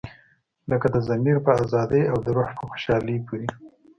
لکه د ضمیر په ازادۍ او د روح په خوشحالۍ پورې.